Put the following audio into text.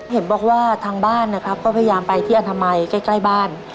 เห็นบอกว่าทางบ้านนะครับก็พยายามไปที่อนามัยใกล้บ้าน